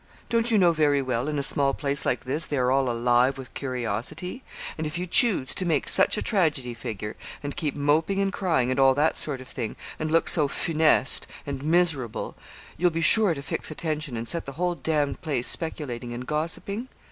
Don't you know very well, in a small place like this, they are all alive with curiosity? and if you choose to make such a tragedy figure, and keep moping and crying, and all that sort of thing, and look so funeste and miserable, you'll be sure to fix attention and set the whole d d place speculating and gossiping?